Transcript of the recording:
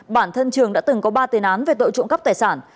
bản thân trường đã từng có ba tên án về tội trụng cấp tài sản